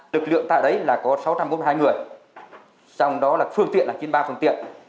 lực lượng tại đấy là có sáu trăm bốn mươi hai người xong đó là phương tiện là chín mươi ba phương tiện